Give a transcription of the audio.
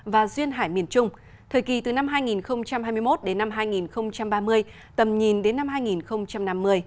và duyên hải miền trung thời kỳ từ năm hai nghìn hai mươi một đến năm hai nghìn ba mươi tầm nhìn đến năm hai nghìn năm mươi